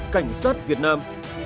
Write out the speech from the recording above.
cảnh sát việt nam